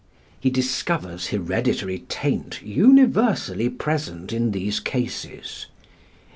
He discovers hereditary taint universally present in these cases.